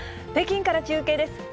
北京から中継です。